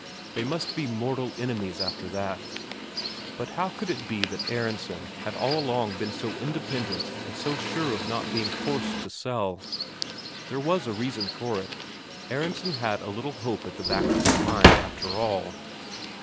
They must be mortal enemies after that. But how could it be that Aronsen had all along been so independent and so sure of not being forced to sell? There was a reason for it: Aronsen had a little hope at the back of his mind, after all.